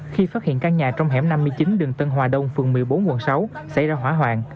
khi phát hiện căn nhà trong hẻm năm mươi chín đường tân hòa đông phường một mươi bốn quận sáu xảy ra hỏa hoạn